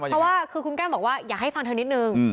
เพราะว่าคือคุณแก้มบอกว่าอยากให้ฟังเธอนิดนึง